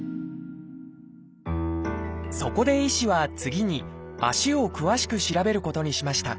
そこで医師は次に足を詳しく調べることにしました。